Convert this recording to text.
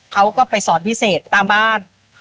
เขาก็ไปสอนพิเศษตามบ้าน